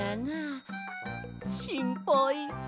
しんぱい。